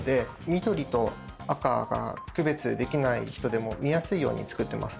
緑と赤が区別できない人でも見やすいように作ってます。